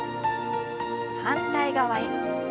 反対側へ。